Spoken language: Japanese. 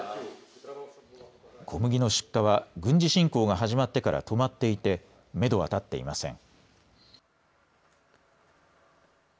小麦の出荷は軍事侵攻が始まってから止まっていてめどは立っていません。